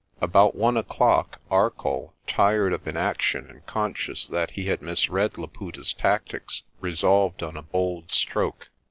About one o'clock Arcoll, tired of inaction and conscious that he had misread Laputa's tactics, resolved on a bold stroke.